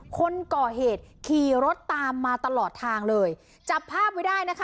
คนก่อเหตุขี่รถตามมาตลอดทางเลยจับภาพไว้ได้นะคะ